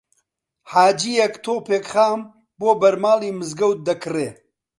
حاجییەک تۆپێک خام بۆ بەرماڵی مزگەوت دەکڕێ